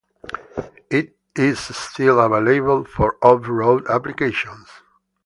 It is still available for off-road applications.